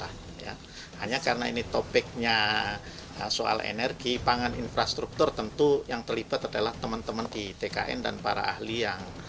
hanya karena ini topiknya soal energi pangan infrastruktur tentu yang terlibat adalah teman teman di tkn dan para ahli yang